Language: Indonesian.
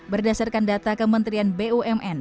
berdasarkan data kementerian bumn